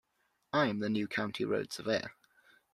I am the new County Road Surveyor.